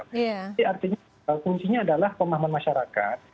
tapi artinya kuncinya adalah pemahaman masyarakat